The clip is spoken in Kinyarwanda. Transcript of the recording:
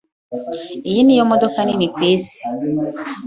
Iyi niyo modoka nini kwisi.